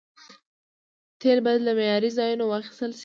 تیل باید له معياري ځایونو واخیستل شي.